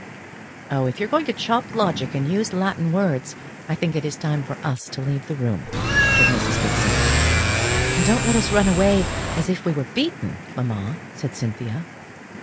"Oh, if you are going to chop logic and use Latin words, I think it is time for us to leave the room," said Mrs. Gibson. "Don't let us run away as if we were beaten, mamma," said Cynthia.